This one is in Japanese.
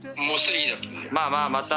まあまあまた。